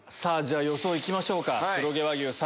じゃあ予想行きましょうか。